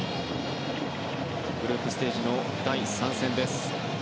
グループステージの第３戦です。